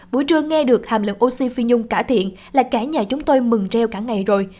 buổi trưa nghe được hàm lượng oxy phi nhung cả thiện là cả nhà chúng tôi mừng treo cả ngày rồi